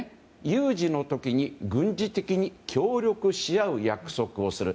有事の時に軍事的に協力し合う約束をする。